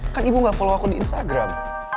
kan ibu gak follow aku di instagram